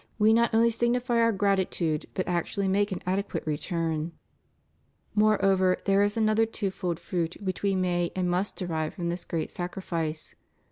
534 THE MOST HOLY EUCHARIST. not only signify our gratitude, but actually make an adequate return. Moreover there is another twofold fruit which we may and must derive from this great sacrifice.